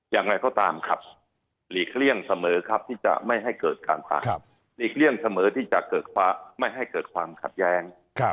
อย่างไรก็ตามครับหลีกเลี่ยงเสมอครับที่จะไม่ให้เกิดความความความความแย้ง